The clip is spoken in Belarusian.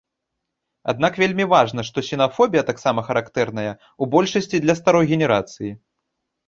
Аднак вельмі важна, што сінафобія таксама характэрная ў большасці для старой генерацыі.